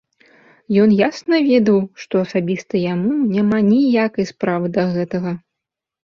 Ён ясна ведаў, што асабіста яму няма ніякай справы да гэтага.